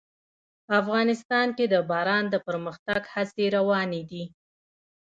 افغانستان کې د باران د پرمختګ هڅې روانې دي.